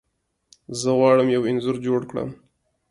زه غواړم یو انځور جوړ کړم.